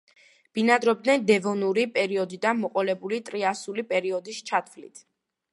ბინადრობდნენ დევონური პერიოდიდან მოყოლებული ტრიასული პერიოდის ჩათვლით.